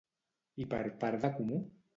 I per part de Comú?